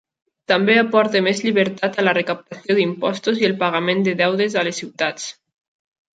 També aporta més llibertat en la recaptació d'impostos i el pagament de deutes a les ciutats.